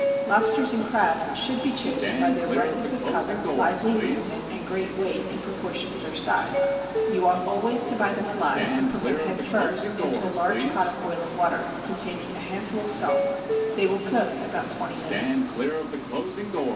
Lobsters and crabs should be chosen by their brightness of color, lively movement, and great weight in proportion to their size; you ought always to buy them alive, and put them head first into a large pot of boiling water, containing a handful of salt; they will cook in about twenty minutes.